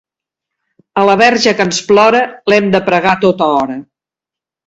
A la Verge que ens plora l'hem de pregar a tota hora.